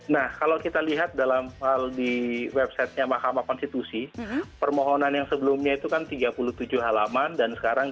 nah kalau kita lihat dalam hal di websitenya mahkamah konstitusi permohonan yang sebelumnya itu kan tiga puluh tujuh halaman dan sekarang